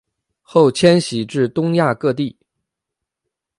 后迁徙至东亚各地。